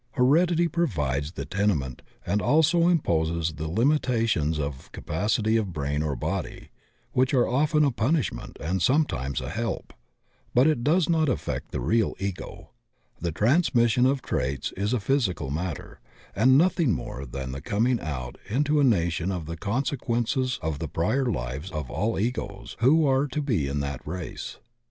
Heredity provides the tenement and also imposes those limitations of capacity of brain or body which are often a punishment and sometimes a help, but it does not affect the real Ego. The transmission of traits is a physical matter, and nothing more than the coming out into a nation of the consequences of the prior fives of all Egos who are to be in that race.